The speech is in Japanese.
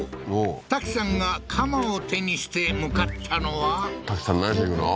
タキさんが鎌を手にして向かったのはタキさん何しにいくの？